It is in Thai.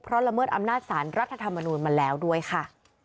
เพราะละเมิดอำนาจสารรัฐธรรมนูญมาแล้วด้วยค่ะ